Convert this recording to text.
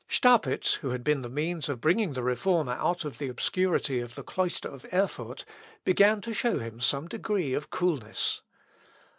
Staupitz, who had been the means of bringing the Reformer out of the obscurity of the cloister of Erfurt, began to show him some degree of coolness.